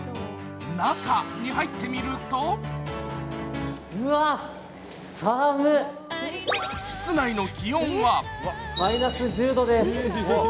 中に入ってみると室内の気温はマイナス１０度です。